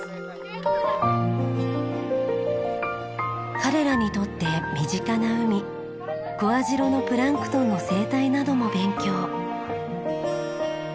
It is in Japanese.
彼らにとって身近な海小網代のプランクトンの生態なども勉強。